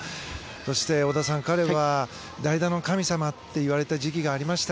そして織田さん、彼は代打の神様って言われた時期がありました